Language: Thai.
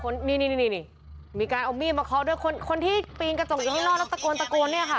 นี่นี่มีการเอามีดมาเคาะด้วยคนคนที่ปีนกระจกอยู่ข้างนอกแล้วตะโกนตะโกนเนี่ยค่ะ